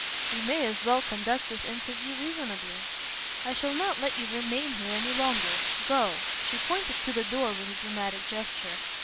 "We may as well conduct this interview reasonably." "I shall not let you remain here any longer. Go." She pointed to the door with a dramatic gesture.